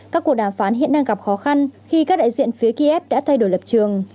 các cuộc đàm phán hiện đang gặp khó khăn khi các đại diện phía kiev đã thay đổi lập trường